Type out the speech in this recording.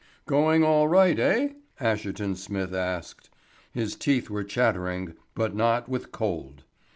"Going all right, eh?" Asherton Smith asked. His teeth were chattering, but not with cold.